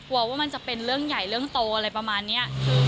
ว่ามันจะเป็นเรื่องใหญ่เรื่องโตอะไรประมาณนี้